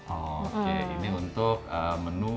oke ini untuk menu